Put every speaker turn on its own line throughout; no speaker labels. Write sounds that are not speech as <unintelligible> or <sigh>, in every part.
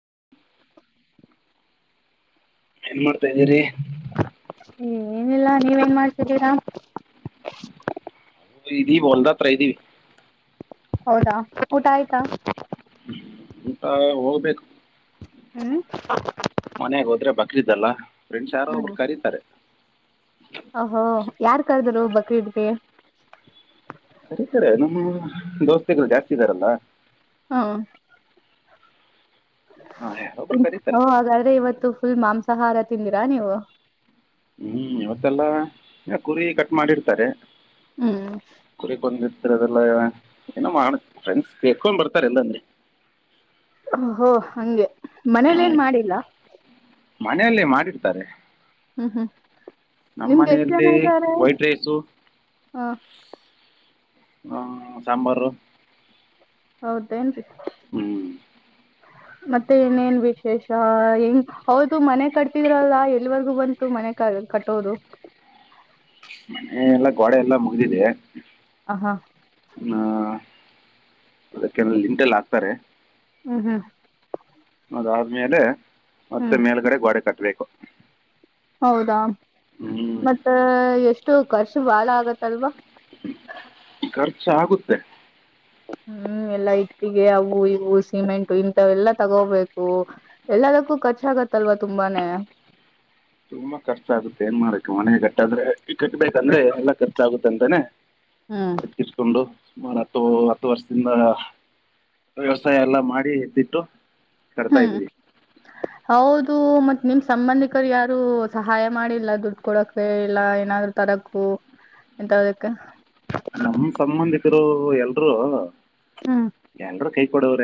<inaudible>
ಏನ್ ಮಾಡ್ತಾ ಇದೀರಿ
ಏನಿಲ್ಲ ನೀವೇನ್ ಮಾಡ್ತಿದ್ದೀರಾ
ಮೆಬಿ ಹೊಲ್ದ ಪ್ರದುವಿ
ಹೌದಾ ಊಟ ಆಯ್ತಾ
ಊಟಾ ಹೋಗ್ಬೇಕು
ಹ್ಮ್
ಮನೆಯಾಗ ಹೋದ್ರೆ ಬಕ್ರಿದ್ದಲ್ಲ ಫ್ರೆಂಡ್ಸ ಯಾರೋ ಒಬ್ರು ಕರೀತಾರೆ
ಹೋ ಹೋ ಯಾರ್ ಕರ್ದರು ಬಕರೀದಗೆ
ಕರಿತಾರೆ ನಮ್ಮ ದೋಸ್ತಿಗಳು ಜಾಸ್ತಿ ಇದ್ದಾರಲ್ಲ ಒಬ್ರು ಕರೀತಾರೆ
ಹೋ ಹಾಗಾದ್ರೆ ಇವತ್ತು ಫುಲ್ ಮಾಂಸ ಸಹಾರ ತಿಂದಿರಾ ನೀವು
ಹ್ಮ್ ಇವತ್ತೆಲ್ಲ ಕುರಿ ಕಟ್ ಮಾಡಿರ್ತಾರೆ
ಹ್ಮ್
ಕುರಿ ಬಂದ ಅತರದೆಲ್ಲ ಏನ್ ಮಾಡ ಫ್ರೆಂಡ್ಸ್ ತಕೊಂಡ್ ಬರ್ತಾರೆ ಎಂಗದ್ರೆ
ಹೋ ಹೋ ಹಂಗೆ ಮನೇಲಿ ಏನ್ ಮಾಡಿಲ್ಲ
ಮನೆಲ್ಲಿ ಮಾಡಿರ್ತಾರೆ
ಹ್ಮ್ ಹ್ಮ್
ನಮ್ಮ
ನಿಮ್ಗೆ ಎಷ್ಟ
ಮನೆಯಲ್ಲಿ
ಜನ ಇದ್ದಾರೆ
ವೈಟ್
ಹಾ
ಹ್ಮ ಸಾಂಬಾರು
ಹೌದು <unintelligible>
ಹ್ಮ್
ಮತ್ತೆ ಇನೇನ್ ವಿಶೇಷ ಹೆಂಗ್ ಹೌದು ಮನೆ ಕಡೆ ಕಟ್ಟಿದ್ರಲ್ಲ ಎಲ್ಲಿವರ್ಗೂ ಬಂತು ಮನೆ ಕ ಕಟ್ಟೋದು
ಮನೆ ಎಲ್ಲಾ ಗೋಡೆ ಎಲ್ಲಾ ಮುಗ್ದಿದೆ
ಹ ಹಾ
ಹಾ ಅದಕ್ಕೆ ಲಿಂಟೆಲ್ಲ ಹಾಕ್ತಾರೆ.
ಹ್ಮ್ ಹ್ಮ್
ಅದಾದ್ಮೇಲೆ ಮತ್ತೆ
ಹ್ಮ್
ಮೇಲ್ಗಡೆ ಗೋಡೆ ಕಟ್ಬೇಕು.
ಹೌದಾ
ಹ್ಮ್
ಮತ್ತ ಎಷ್ಟು ಕಷ್ಟ ಷ್ಟ ಬಾಳ ಆಗತ್ತಲ್ವಾ?
ಹ್ಮ ಖರ್ಚ ಆಗುತ್ತೆ.
ಹ್ಮ್ ಎಲ್ಲಾ ಇಟ್ಟಿಗೆ ಅವು ಇವು ಸಿಮೆಂಟು ಇಂತ ಎಲ್ಲಾ ತಗೋಬೇಕು ಎಲ್ಲದಕ್ಕೂ ಖರ್ಚಾಗತ್ತಲ್ವಾ ತುಂಬಾನೇ,
ತುಂಬಾ ಕಷ್ಟ ಆಗುತ್ತೆ ಏನ್ ಮಾಡಾರಕ್ಕೆ ಮನೆ ಗಟ್ಟಾದ್ರೆನನ್ನನ್ನ ಕಟ್ಬೇಕಂದ್ರೆ ಎಲ್ಲಾ ಖರ್ಚಾಗುತ್ತೆ ಅಂತಾನೆ
ಹ್ಮ್
ಎತ್ಕಿಿಸಕೊಂಡು. ಮರ ಹತ್ತು ಹತ್ತು ವರ್ಷದಿಂದ ವ್ಯವಸಾಯ ಎಲ್ಲ ಮಾಡಿದ್ವಿ ತ ಕಟ್ಟಾ
ಹ್ಮ್
ಇದ್ದೀವಿ
ಹೌದು ಮತ್ ನಿಮ್ ಸಂಬಂಧಿಕರು ಯಾರು ಸಹಾಯ ಮಾಡಿಲ್ಲ ದುಡ್ಡು ಕೊಡಕೆ ಇಲ್ಲ ಏನಾದ್ರು ತರಕು ಎಂತದಕ್ಕೆ
ನಮ್ಮ ಸಂಬಂಧಿಕರು ಎಲ್ರು
ಹ್ಮ್
ಎನ್ರೂ ಕೈ ಕೊಡವ್ರ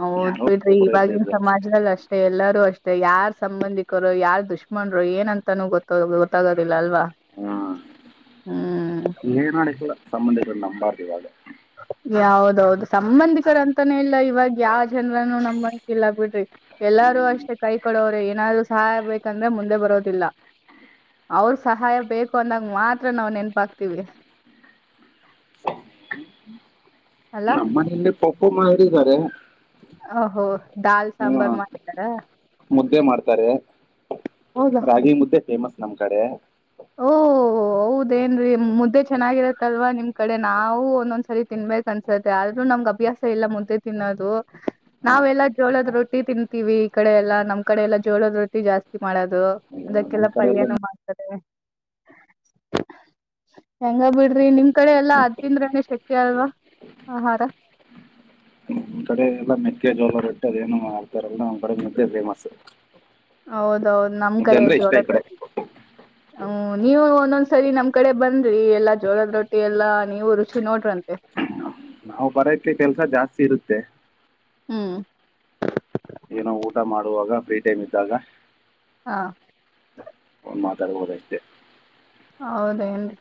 ಹೌದ್ ಬಿಡ್ರಿ ಇವಾಗಿವಾಗಿನ ಸಮಾಜದಲ್ಲಿ ಅಷ್ಟೇ ಎಲ್ಲಾರೂ ಅಷ್ಟೇ. ಯಾರ್ ಸಂಬಂಧಿಕರು ಯಾರ್ ದುಶ್ಮನ್ರು ಏನಂತಾನೂ ಗೊತ್ತ ಗೊತ್ತಾಗೋದಿಲ್ಲ ಅಲ್ವಾ
ಹ್ಮ
ಹ್ಮ್
ಏನ್ ಮಾಡೋಂಗಿಲ ಸಂಬಂಧಿ ನಂಬರ್ಧಿವಾಗ
ಹೌದಾದು ಸಂಬಂಧಿಕರ ಅಂತಾನೇ ಇಲ್ಲ ಇವಾಗ ಯಾವ ಜನರನು ನಂಬಂಗಿಲ ಬಿಡ್ರಿ ಎಲ್ಲಾರೂ ಅಷ್ಟೇ ಕೈ ಕೊಡೋವ್ರೆ ಏನಾದ್ರು ಸಹಾಯ ಬೇಕಂದ್ರೆ ಮುಂದೆ ಬರೋದಿಲ್ಲ ಅವ್ರ ಸಹಾಯ ಬೇಕು ಅಂದಾಗ ಮಾತ್ರ ನಾವು ನೆನಪಾಗ್ತೀವಿ. ಅಲ್ಲಾ
ನಮ್ಮ ಮನೆಯಲ್ಲಿ ಕೊಪ್ಪು ಮಾರ ಇದಿದ್ದಾರೆ. ಹ
ಅಹೋ ದಾಲ್ ಸಾಂಬಾರ್ ಮಾಡ್ತಾರ
ಮುದ್ದೆ ಮಾಡ್ತಾರೆ
ಹೌದಾ.
ರಾಗಿ ಮುದ್ದೆ ಫೇಮಸ್ ನಮ್ ಕಡೆ,
ಓ ಹೌದೇನ್ರೀ ಮುದ್ದೆ ಚೆನ್ನಾಗಿರತ್ತಲ್ವಾ ನಿಮ್ ಕಡೆ ನಾವು ಒಂದೊಂದ್ಸರಿ ತಿನ್ಬೇಕ ಅನ್ಸತ್ತೆ ಆದ್ರೂ ನಮ್ಗ್ ಅಭ್ಯಾಸ ಇಲ್ಲ ಮುದ್ದೆ ತಿನ್ನೋದು?
ಹಾ
ನಾವೆಲ್ಲಾ ಜೋಳದ ರೊಟ್ಟಿ ತಿನ್ ವಿ ಈ ಕಡೆ ಎಲ್ಲಾ ನಮ್ ಕಡೆ ಎಲ್ಲಾ ಜೋರೋದ ರೊಟ್ಟಿ ಜಾಸ್ತಿ ಮಾಡೋದು
ಅಯ್ಯೋ,
ಅದಕ್ಕೆಲ್ಲ
ನಮ್ ಕಡೆ
ಪಲ್ಯನು
ಎಲ್ಲ
ಮಾಡ್ತಾರೆ ಹೆಂಗ ಬಿಡ್ರಿ ನಿಮ್ ಕಡೆ ಎಲ್ಲಾ ಅದ ತಿಂದ್ರನೆೇ ಶಕ್ತಿ ಅಲ್ವಾ ಆಹಾರ
ನಿಮ್ ಕಡೆ ಎಲ್ಲ ಮೆಕ್ಕೆ ಜೋಲ ರಟ್ಟೆ ಅದೇನು ಲ್ಲ ಬಡ ಮುದೆ ಫೇಮಸ್
ಹೌದೌದು ನಮ್
ಮುದ್ದೆ
ಕಡೆ
ಅಂದ್ರೆ ಇಷ್ಟ ಈ
ಜೋಳದ
ಕಡೆ
ರೊಟ್ಟಿ ಹ್ಮ ನೀವು ಒಂದೊಂದ್ ಸರಿ ನಮ್ ಕಡೆ ಬಂದ ೀ ಎಲ್ಲಾ ಜೋರದ್ ರೊಟ್ಟಿ ಎಲ್ಲಾ ನೀವು ರುಚಿ ನೋಡ್ರಂತೆ
ನಾವು ಬರೋಕ್ಕ್ಕೆ ಕೆಲ್ಸ ಜಾಸ್ತಿ ಇರುತ್ತೆ
ಹ್ಮ್
ಏನೋ ಊಟ ಮಾಡುವಾಗ ಫ್ರೀ ಟೈಮ್ ಇದ್ದಾಗ
ಹಾ.
ಮಾತಾಡ್ಬಹುದಷ್ಟೇ.
ಹೌದೇನ್ರಿ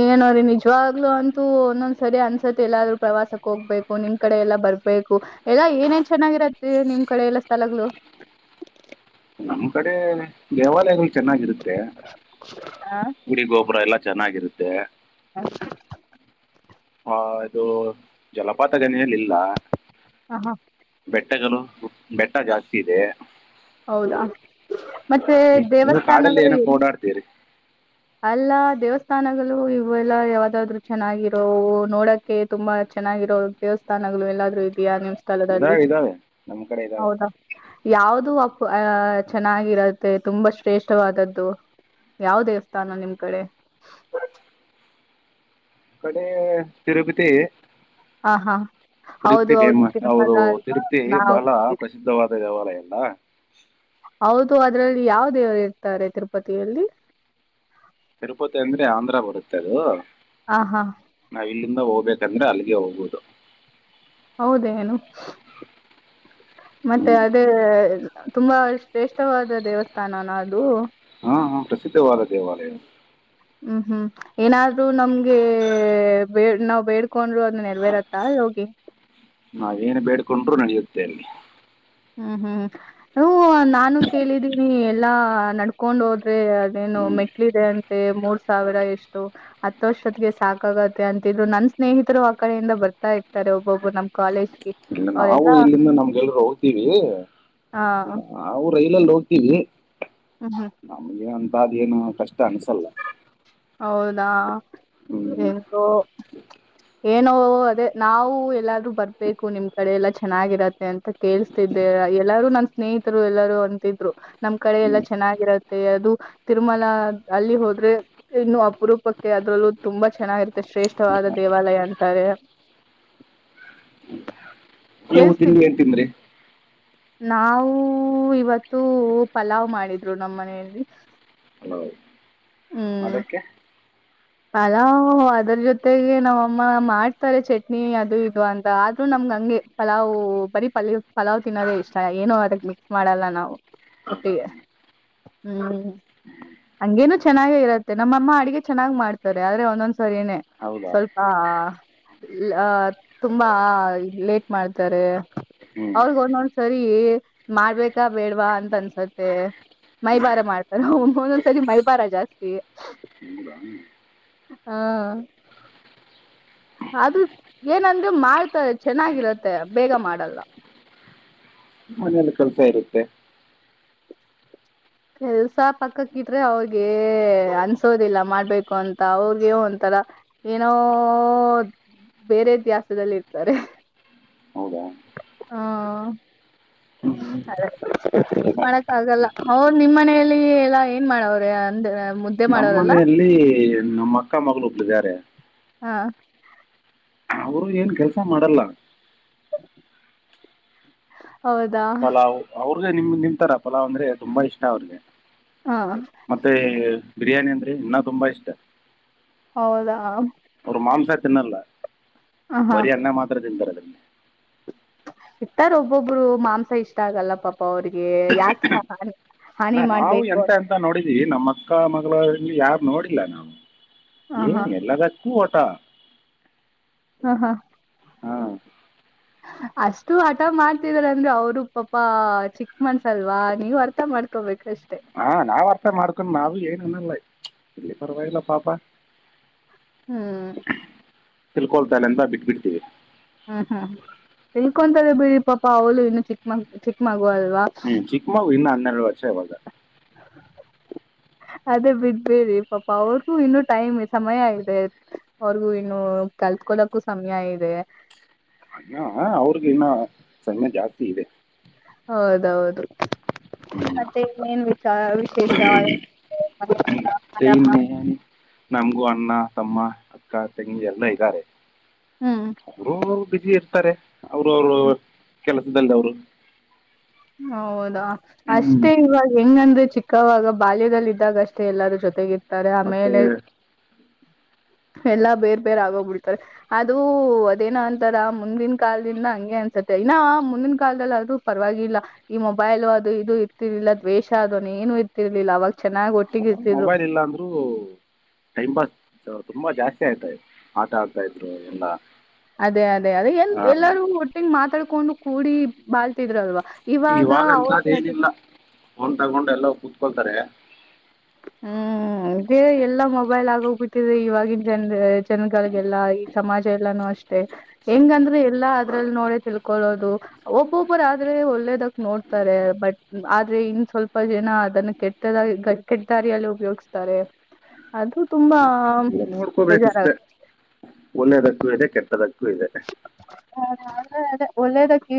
ಏನೋ್ರೀ ನಿಜವಾಗ್ಲುೂ ಅಂತೂ ಒಂದೊಂದ್ ಸರಿ ಅನ್ಸತ್ತ ಎಲ್ಲಾದ್ರೂ ಪ್ರವಾಸಕ್ ಹೋಗ್ಬೇಕು ನಿಮ್ ಕಡೆ ಎಲ್ಲಾ ಬರ್ಬೇಕು ಎಲ್ಲಾ ಏನೇನ್ ಚೆನ್ನಾಗಿರತ್ತರಿ ನಿಮ್ ಕಡೆ ಎಲ್ಲಾ ಸ್ಥಳಗಳು.
ನಮ್ಮ್ ಕಡೆ ದೇವಾಲಯಗಳು ಚೆನ್ನಾಗಿರುತ್ತೆ
ಹಾ
ಗುಡಿ ಗೊಪುರ ಎಲ್ಲಾ ಚೆನ್ನಾಗಿರುತ್ತೆ.
ಹ. <inaudible>
ಹಾ ಇದು ಜಲಪಾತಗಳೆಳಾ ಇಲ್ಲ.
ಹ ಹಾ.
ಬೆಟ್ಟಗಳು ಬೆಟ್ಟ ಜಾಸ್ತಿ ಇದೆ.
ಹೌದಾ ಮತ್ತೆ
ನೀ- ನೀವು ಕಾಡಲ್ಲಿ ಏನೋ
ದೇವಸ್ಥಾನಗಳುನು
ಓಡಾಡ್ತೀರಿ
<inaudible> ಅಲ್ಲ ದೇವಸ್. ಸ್ಥಾನಗಳು ಇವು ಎಲ್ಲ ಯಾವದಾದ್ರು ಚೆನ್ನಾಗಿರೋ ನೋಡಕ್ಕೆೆ ತುಂಬಾ ಚೆನ್ನಾಗಿರೋ ದೇವಸ್ಥಾನಗಳು ಎಲ್ಲಾದ್ರೂ ಇದೆಯ. ಸ್ಥದಲ್ಲಿ
ಇದಾವೆ ಇದಾವೆ ನಮ್ಮ ಕಡೆ ಇದಾವೆ
ಹೌದಾ ಯಾವ್ದು ಅ ಚೆನ್ನಾಗಿರತ್ತೆ ತುಂಬಾ ಶ್ರೇಷ್ಠವಾದದ್ದು ಯಾವ ದೇವಸ್ಥಾನ ನಿಮ್ ಕಡೆ
ಕಡೆ ತಿರುಪತಿ
ಹ ಹಾ ಹೌದು
ತಿರುಪ್ತಿ
ಹೌದು
ಫೇಮಸ್
ತಿರುಮಲ
ಹೌದು
ಅಲ್ವಾ
ತಿರುತಿ
ನಾವು
ಬಹಳ ಪ್ರಸಿದ್ಧವಾದ ದೇವಾಲಯ ಅಲ್ಲ
ಹೌದು ಅದ್ರಲ್ಲಿ ಯಾವ ದೇವರು ಇರ್ತಾರೆ ತಿರುಪತಿಯಲ್ಲಿ.
ತಿರುಪತಿ ಅಂದ್ರೆ ಆಂಧ್ರ ಬರುತ್ತೆ. ತದು
ಆ ಹಾ
ನಾವ ಇಲ್ಲಿಂದ ಹೋಗ್ಬೇಕ. ಯಕಂದ್ರೆ ಅಲ್ಲಿಗೆ ಹೋಗ್ೋುದು.
ಹೌದೇ ನು. ಮತ್ತೆ
ಹ್ಮ್
ಅದೇ ತುಂಬಾ ಶ್ರೇಷ್ಠವಾದ ದೇವಸ್ಥಾನನಾ ಅದು
ಹಾ ಹಾ ಪ್ರಸಿದ್ಧವಾದ ದೇವಾಲಯ.
ಹ್ಮ್ ಹ್ಮ್ ಏನಾದ್ರು ನಮ್ಗೆ ಬೇ ನಾವ್ ಬೇಡ್ಕೊಂಡರು ಅದ್ ನೆರವೇರತ್ತಾ ಹೋಗಿ.
ನಾವೇನ್ ಬೇಡ್ಕೊಂಡ್ರು ನಡೆಯುತ್ತೆ ಅಲ್ಲಿ.
ಹ್ಮ್ ಹ್ಮ್ ಹ ನಾನು ಕೇಳಿದ್ದೀನಿ ಎಲ್ಲಾ ನಡ್ಕೊಂಡ್ ಹೋದ್ ೇ ಅದೇನು
ಹ್ಮ್
ಮೆಟ್ಲಿದೆ ಅ ಮತ್ತ ಮೂರ್ ಸಾವಿರ ಎಷ್ಟು ಹತ್ತು ವರ್ಷ್ಟತ್ಿಗೆ ಸಾಕಾಗತ್ತೆ ಅಂತಿದ್ರು ನನ್ ಸ್ನೇಹಿತರು ಆ ಕಡೆಯಿಂದ ಬರ್ತಾ ಇರ್ತಾರೆ ಒಬ್ಬೊಬ್ರು ನಮ್ ಕಾಲೇಜ್ಗೆ
ಇಲ್ಲ ನಾವು
ಅವರೆಲ್ಲಾ
ಇಲ್ಲಿಂದ ನಮ್ಗೆಲ್ರರು.
ಹ ಹ್ಮ್
ನಾವು ರೈಲಲ್ಲಿ ಹೋಗ್ತೀವಿ.
ಹ್ಮ್
ನಮಗೆ ಅ ಅ ಏನು ಕಷ್ಟ ಅನ್ಸಲ್ಲ.
ಹೌದಾ.
ಹ್ಮ್
ಏನೋ ಅದೇ ನಾವು ಎಲ್ಲಾರೂ ಬರ್ಬೇಕು ನಿಮ್ ಕಡೆ ಎಲ್ಲಾ ಚೆನ್ನಾಗಿರತ್ತೆ ಅಂತ ಕೇಳ್ಸ್ತಿದ್ದೇ ಎಲ್ಲಾರೂ ನನ್ ಸ್ನೇಹಿತರು ಎಲ್ಲಾರೂ ಅಂತಿದ್ರು ನಮ್ ಕಡೆ ಎಲ್ಲಾ ಚೆನ್ನಾಗಿರತ್ತೆ ಅದು ತಿರುಮಲ ಅಲ್ಲಿ ಹೋದ್ರೆ ಇನ್ನು ಅಪರೂಪಕ್ಕೆ ಅದ್ರಲ್ಲೂ ತುಂಬಾ ಚೆನ್ನಾಗಿರುತ್ತೆ ಶ್ರೇಷ್ಠವಾದ ದೇವಾಲಯ ಅಂತಾರೆ
ನೀವು ತಿಂಡಿ ಏನ್ ತಿಂದ್ರಿ
ನಾವವು ಇವತ್ತು ಪಲಾವ್ ಮಾಡಿದ್ರು ನಮ್ಮ ಮನೆಯಲ್ಲಿ
ಹಲೋ
ಹ್ಮ್
ಅದಕ್ಕೆ
ಪಲಾವ್ ಅದರ ಜೊತೆಗೆ ನಮಮ್ಮ ಮಾಡ್ತಾರೆ ಚಟ್ನಿ ಅದು ಇದು ಅಂತ ಆದ್ರೂ ನಮ್ಗೆ ಹಂಗೆ ಪಲಾವ್ ಬರೀ ಪ್ ಪಲಾವ್ ತಿನ್ನೋದೇ ಇಷ್ಟ ಏನೋ ಅದಕ್ ಮಿಕ್ಸ್ ಮಾಡಲ್ಲ ನಾವು
ಹೌದಾ
ಒಟ್ಟಿಗೆ ಹ್ಮ್ ಹಂಗೇನು ಚೆನ್ನಾಗ ಇರತ್ತೆ ನಮ್ಮಮ್ಮ ಅಡಗೆ ಚೆನ್ನಾಗ್ ಮಾಡ್ತ ತಾರೆ ಆದ್ರೆ ಒಂದೊಂದ್ಸಾರಿನೆ
ಹೌದಾ
ಸ್ವಲ್ಪ ಅ ತುಂಬಾ ಲೇಟ್ ಮಾಡ್ತಾರೆ
ಹ್ಮ್
ಅವ್ರಗ ಒಂದೊಂದ್ಸರಿ ಮಾಡ್ಬೇಕಾ ಬೇಡ್ವಾ ಅಂತ ಅನ್ಸತ್ತೆ ಮೈಬಾರ ಮಾಡ್ತಾರ ಅವ ಒಂದೊಂದ್ಸರಿ ಮೈಬಾರ ಜಾಸ್ತಿ
ಹೌದಾ
ಹಾ ಅದು ಏನಂದ್ ಮಾಡ್ತಾಳ ಚೆನ್ನಾಗಿರತ್ತೆ ಬೇಗ ಮಾಡಲ್ಲ
ಮನೇೆಯಲ್ಲಿ ಕೆಲ್ಸ ಇರುತ್ತೆ
ಕೆಲ್ಸ ಪಕ್ಕಕ್ಕ ಇಟ್ರೆ ಅವ್ರಿಗೆ ಅನ್ಸೋದಿಲ್ಲ ಮಾಡ್ಬೇಕು ಅಂತ ಅವ್ರಗ ಒಂಥರ ಏನೋ ಬೇರೆ ದ್ಯಾಸದಲ್ಲಿ ಇರ್ತಾರೆ
ಹೌದಾ
ಹ್ಮ
ಹ್ಮ್.
ಅದ ಮಾಡಕ್ಕ ಆಗಲ್ಲ ಅವರು ನಿಮ್ ಮನಲಿ ಎಲ್ಲ ಏನ್ ಮಾಡವ್ರೆ ಅಂದ ಮುದ್ದೆ
ನಮ್ಮ
ಮಾಡೋರಲ್ಲ
ಮನೆಯಲ್ಲಿ ನಮ್ಮ ಅಕ್ಕ ಮಗಳು ಒಬ್ರ ಇದಾರೆ
ಹಾ
ಅವರುನು ಏನ್ ಕೆಲ್ಸ ಮಾಡಲ್ಲ
ಹೌದಾ
ಅವ ನಿಮ್ ನಿಮತರ ಪಲಾವ್ ಅಂದ್ರೆ ತುಂಬಾ ಇಷ್ಟ ಅವ್ರಿಗೆ
ಹ
ಮತ್ತೆ ಬಿರಿಯಾನಿ ಅಂದರಿ ಇನ್ ತುಂಬಾ ಇಷ್ಟ
ಹೌದಾ
ಅವರ ಮಾಂಸ ತಿನ್ನಲ್ಲ
ಹ ಹಾ
ಬರಿ ಅನ್ನ ಮಾತ್ರ ತಿಂತಾರೆ
ಇರ್ತರ ಒಬ್ಬೊಬ್ರು ಮಾಂಸ ಇಷ್ಟ ಆಗಲ್ಲ ಪಾಪ ಪ್ಪ ಅವ್ರಿಗೆ ಯಾಕೆ ಹ
ನಾ
ಹಾನಿ
ನಾವು
ಮಾಡ್ಬೇಕು
ಎಂತ
ಅಂತ
ಎಂತ ನೋಡಿದೀವಿ ನಮ್ಮ ಅಕ್ಕ ಮಗಳ ಯಾರು ನೋಡಿಲ್ಲ ನಾವು
ಹ
ಏ
ಹಾ
ಎಲ್ಲದಕ್ಕೂ ಒಂದ ತ್ತ
ಹಾ ಹಾ
ಹಾ
ಅಷ್ಟು ಹಠ ಮಾಡ್ತಿದಾರ ಅಂದ್ರೆ ಅವರು ಪಾಪಾ ಚಿಕ್ಕ ಮನಸ್ಸೆಲ್ಲಾ ನೀವ್ ಅರ್ಥ ಮಾಡ್ಕೊಬೇಕು
ಹಾ ನಾವ್ ಅರ್ಥ ಮಾಡ್ಕೊಂಡ್ ನಾವ್ ಲ್ಲ ಇಲ್ಲಿ ಪರವಾಗಿಲ್ಲ ಪಾಪಾ
ಹ್ಮ್
ತಿಳ್ಕೊಳ್ತಾಳೆ ಅಂತ ಬಿಟಿಬಿಡ್ತೀವಿ
ಹ್ಮ್ ಹ್ಮ್ ತಿಳ್ಕೊಂತದ ಬಿಡಿ ಪಾಪಾ ಅವಳ ಇನ್ನು ಚಿಕ್ಕ ಮ ಚಿಕ್ಕ ಮಗ
ಹ್ಮ್ ಚಿಕ್ಕ ಮಗು ಇನ್ನ ಹನ್ನೆರಡುವರೆ ಸಯ ಬಾ
ಅದೇ ಬಿಡಬೇಡಿ ಪಾಪಾ ಅವ್ರಗೂ ಇನ್ನು ಟೈಮ್ ಸಮಯ ಇದೆ ಅವ್ರಿಗೂ ಇನ್ನು ಕಲ್ತ್ಕೊಳಕ್ಕೂ ಸಮಯ ಇದೆ
ಅ ಅವ್ರಗ ಇನ್ನ ಸಣಯೆ ಜಾಸ್ತಿ ಇದೆ
ಹೌದೌದು ಆ
ಹ್ಮ್
ಮತ್ತೆ ಇನ್ನೇನ್ ವಿಚಾರ ವಿಶೇಷ ಮದ
ನ್ನ ನಮಗು ಅಣ್ಣ ತಮ್ಮ ಅಕ್ಕ ತಂಗಿ ಎಲ್ಲಾ ಇದ್ದಾರೆ
ಹ್ಮ್
ಹ ಇರ್ತಾರೆ ಅವರು ಅವರು ಕೆಲಸದಲ್ಲ ಅವ್ರು
ಹೌದಾ ಅಷ್ಟೇ ಇವಾಗ ಹೆಂಗಂದ್ರೆ ಚಿಕ್ಕವಾಗ ಬಾಲ್ಯದಲ್ಲಿ ಇದ್ದಾಗ ಅಷ್ಟೆ ಎಲ್ಲರೂ ಜೊತೆಗಿ ತ್ತಾರೆ
ಮತ್ತೆ
ಆಮೇಲೆ ಎಲ್ಲಾ ಬೇರ್ ಬೇರ್ ಆಗೋಗ್ಬಿಡ್ತಾರೆ ಅದು ಅದೇನ ಅಂತಾರ ಮುಂದಿನ ಕಾಲದಿಂದ ಹಂಗೆ ಅನ್ಸತ್ತೆ ಇನ್ನ ಮುಂದಿನ ಕಾಲದಲ್ಲಿ ಆದ್ರೂ ಪರವಾಗಿಲ್ಲ ಈ ಮೊಬೈಲ್ ಅದು ಇದು ಇರ್ತಿರ್ಲಿಲ್ಲ ದ್ವೇಷ ಅದು ಏನು ಇರ್ತಿರ್ಲಿಲ್ಲ ಅವಾಗ. ಚೆನ್ನಾಗ್ ಒಟ್ಟಿಗೆ
ಹ
ಇರ್ತಿದ್ರು
ಮೊಬೈಲ್ ಇಲ್ಲ ಅಂದ್ರರು ಟೈಮ್ ಪಾಸ್ ತುಂಬಾ ಜಾಸ್ತಿ ಆಯ್ತಾ ಆಟ ಆಡ್ತಾ ಇದ್ರು ಎಲ್ಲ.
ಅದೇ ಅದೇ ಅದೇ ಎ
ಆ,
ಎಲ್ಲಾರೂ ಒಟ್ಟಿಗೆ ಮಾತಾಡ್ಕೊಂಡು ಕೂಡಿ ಬಾಳ್ ಇದಿದ್ರಲ್ವಾ
ಇವಾಗಂತ್ದ್ ಏನಿಲ್ಲ ಅವ್ನ್ ತಗೊಂಡ ಎಲ್ಲ ಕೂ ಕೊಳ್ತಾರೆ
ಹ್ಮ್ ಎಲ್ಲಾ ಮೊಬೈಲ್ ಆಗೋಗ್ಬಿಟ್ಟಿದೆ ಇವಾಗಿನ ಜನ್ ಜನಗಳಿಗೆಲ್ಲಾ ಈ ಸಮಾಜ ಎಲ್ಲಾನು ಅಷ್ಟೆ ಹೆಂಗಂದ್ರೆ ಎಲ್ಲಾ ಅದ್ರಲ್ಲಿ ನೋಡ ತಿಳ್ಕೊಳ್ಳೋದು ಒಬ್ಬೊಬ್ಬರ ಆದ್ರೆ ಒಳ್ಳೇದಕ್ ನೋಡ್ತಾರೆ ಬಟ್ ಆದ್ರೆ ಇನ್ ಸ್ವಲ್ಪ ಜನ ಅದನ್ನ ಕೆಟ್ಟದಾಗ ಕೆಟ್ಟ ದಾರಿಯಲ್ಲಿ ಉಪಯೋಗಿಸ್ತಾರೆ ಅದು ತುಂಬಾ ಬೇಜಾರಾಗ
ನೋಡ್ಕೋಬೇಕಷ್ಟೆ ಒಳ್ಳೆದಕ್ಕೂ ಅದಕ್ಕೆ ಅದಕ್ಕೂ ಇದೆ
ಹ ಒಳ್ಳೇದಕ್ಕೆ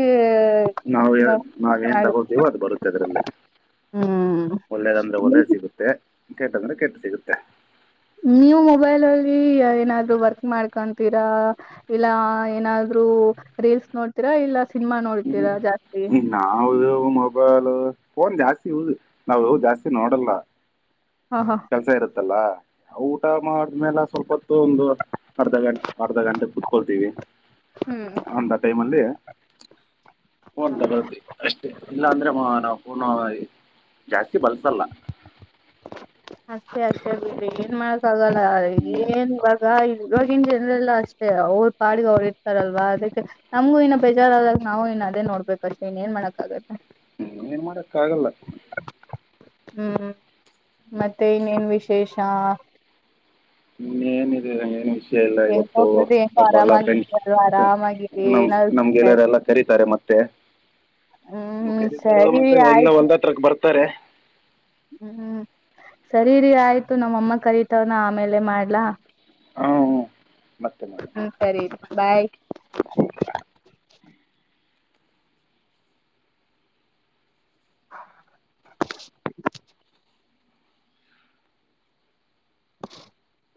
ನಾವು
ನೋಡ್
ನಾವೇನ್
ಚೆನ್ನಾಗಿ
ತಗೋತೀವೋ ಅದು ಬರುತ್ತೆ ಅದ್ರಲ್ಲಿ
ಹ್ಮ್
ಒಳ್ಳೇದಂದ್ರೆ ಒಳ್ಳೇದ ಸಿಗುತ್ತೆ. ಕೆಟ್ಟಂದ್ರೆ ಕೆಟ್ಟು ಸಿಗುತ್ತೆ.
ನಿವು ಮೊಬೈಲ್ ಹ ಏನಾದ್ರು ವರ್ಕ್ ಮಾಡ್ಕೊತೀರಾ ಇಲ್ಲ ಏನಾದ್ರು ರೀಲ್ಸ್ ನೋಡ್ತೀರಾ ಇಲ್ಲ. ಸಿನಿಮಾ ನೋಡ್ತೀರಾ ಜಾಸ್ತಿ
ಹ್ಮ ನಾವುದ ಮೊಬಲ್ ಫೋನ್ ಜಾಸ್ತಿ ಯಸ್ ನಾವು ಹ ಜಾಸ್ತಿ ನೋಡಲ್ಲ.
ಹ ಹ
ಕೆಲ್ಸ ಇರುತ್ತಲ್ಲ ಊಟ ಮಾಡ್ಮೇಲೆ ಸ್ವಲ್ಪತ್ತು ಒಂದು ಅರ್ಧ ಗಂಟೆ ಅರ್ಧ ಗಂಟೆ ಕುೂತ್ಕೊಳ್ತೀವಿ
ಹ್ಮ್
ಅಂದ ಟೈಮ್ಲ್ಲಿವಿ ಅಷ್ಟೇ ಇಲ್ಲಾ ಅಂದ್ರೆ ನಾವು ಅವನು ಜಾಸ್ತಿ ಬಳಸಲ್ಲ.
ಅತ ಅ ಏನ್ ಮಾಡಕ್ಕ ಆಾಗಲ್ಲ
ಹ್ಮ್,
ಏನ್ ಇವಾಗ ಇ ಇವವಾಗಿನ್ ಜನರೆಲ್ಲ ಅಷ್ಟ ಅ ಅವ್ರ ಪಾಗ ಅವ್ರು ಇರ್ತಾರಲ್ವಾ ಅದಕ್ಕೆ ನಮಗೂ ಇನ್ನ ಬೇಜಾರ ಆದಾಗ ನಾವು ಇನ್ನು ಅದೇ ನೋಡ್ಬೇಕಷ್ಟ ಇನ್ನ ಏನ್ ಮಾಡಕ್ ಆಾಗತ್ತೆ
ಹ ಮೇನು ಮಾಡರಕ್ಕ ಆಾಗಲ್ಲ
ಹ್ಮ್ ಮತ್ತೆ ಇನ್ೇನ್ ವಿಶೇಷ? ಹಾ
ಹ್ಮ ಏನ್ ಇದೀರಾ ಏನ್ ವಿಷಯ? ಎಲ್ಲ
ಹೆಂಗ
ಇವತ್ತು
ಹೋಗ್ಬಿಟ್ಟು ಹೆಂಗೋ
ಒಬ್ಬ ಎಲ್ಲ ಫೆಂಡ್
ಆರಾಮಾಗಿಲ್ವಾ ಆರಾಮಾಗಿರಿ
ನಮ
ಏನಾದ್ರು
ನಮ್ಗೆಗೆಲ್ಲರೆ ಎಲ್ಲ ಕರೀತಾರೆ ಮತ್ತೆ
ಹ್ಮ್
ಕ ಮ
ಸರಿ
ಎಲ್ಲ
ಆಯ್ತು
ಒದ ಹತ್ರಕ್ಕೆ ಬರ್ತಾರೆ.
ಹ್ಮ್ ಸರಿೀರಿ ಆಯ್ತು ನಮ್ಮಮ್ಮ ಕರತವನ ಆಮೇಲೆ ಮಾಡ್ಲಾ
ಹಾ ಮತ್ತೆ ಮಾಡಿ
ಹ್ಮ್ ಸರಿ ಬಾಯ್? <unintelligible>